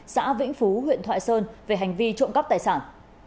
xã vĩnh phú huyện thoại sơn về hành vi trộm cắp tài sản